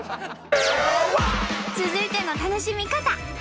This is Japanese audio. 続いての楽しみかた。